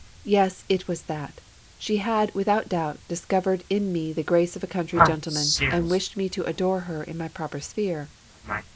Yes, it was that ; she had, without doubt, discovered in me the grace of a country gentleman and wished me to adore her in my proper sphere.